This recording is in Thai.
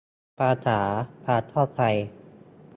ภาษา ความ เข้าใจ